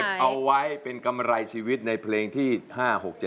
เอาไว้เป็นกำไรชีวิตในเพลงที่๕๖๗